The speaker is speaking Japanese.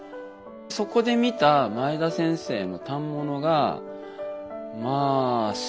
そこで見た前田先生の反物がまあすごくてですね。